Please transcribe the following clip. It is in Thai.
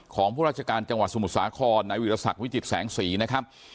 ของผู้ราชการจังหวัดสมุทรสาครนายวิรสักวิจิตแสงสีนะครับ